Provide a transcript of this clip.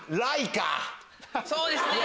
そうですね！